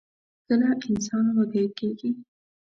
کله انسان وږۍ کيږي؟